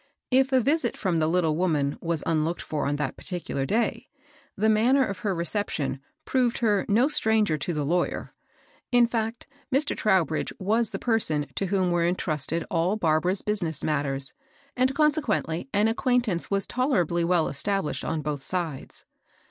If a visit •^TJj^ from the Kttle woman was nnlooked for ^j^ on that particular day, the manner of her reception proved her no stranger to the lawyer. In fact, Mr. Trowbridge was the person to whom were intrusted all Barbara's business matters; and consequently, an acquaint ance was tolerably well established on both sides.